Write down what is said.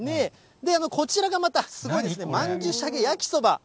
こちらがまたすごいですね、曼珠沙華焼きそば。